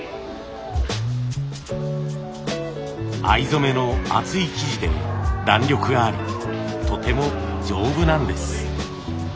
藍染めの厚い生地で弾力がありとても丈夫なんです。